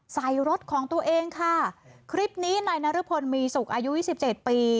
ใส่รถของตัวเองค่ะคลิปนี้นายนรพลมีสุขอายุยี่สิบเจ็ดปี